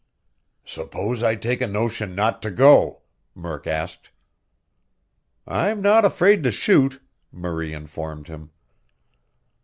"Suppose I take a notion not to go?" Murk asked. "I'm not afraid to shoot," Marie informed him.